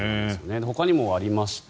ほかにもありまして